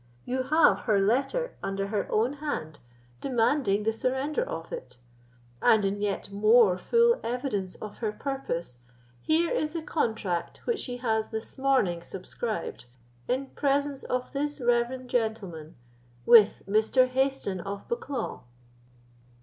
You have her letter under her own hand, demanding the surrender of it; and, in yet more full evidence of her purpose, here is the contract which she has this morning subscribed, in presence of this reverend gentleman, with Mr. Hayston of Bucklaw."